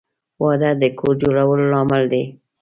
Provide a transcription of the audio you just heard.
• واده د کور جوړولو لامل دی.